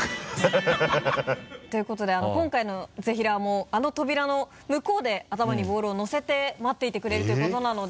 ハハハ ということで今回のぜひらーもあの扉の向こうで頭にボールをのせて待っていてくれるということなので。